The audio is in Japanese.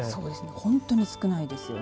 本当に少ないですよね。